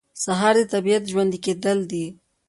سهار د طبیعت ژوندي کېدل دي.